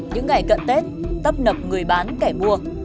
những ngày cận tết tấp nập người bán kẻ mua